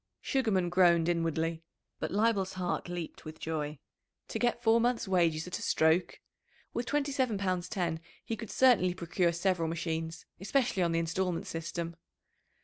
Sugarman groaned inwardly, but Leibel's heart leaped with joy. To get four months' wages at a stroke! With twenty seven pounds ten he could certainly procure several machines, especially on the instalment system.